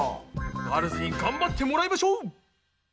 ガールズに頑張ってもらいましょう！